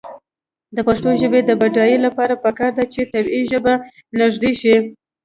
د پښتو ژبې د بډاینې لپاره پکار ده چې طبعي ژبه نژدې شي.